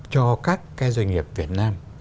cho các cái doanh nghiệp việt nam